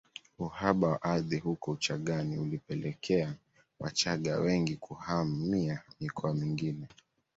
Uhaba wa ardhi huko Uchagani ulipelekea Wachagga wengi kuhamia mikoa mingine